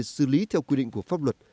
xử lý theo quy định của pháp luật